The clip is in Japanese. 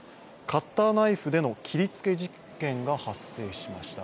カッターナイフでの切りつけ事件が発生しました。